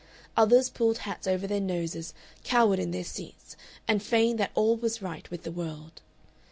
Others pulled hats over their noses, cowered in their seats, and feigned that all was right with the world.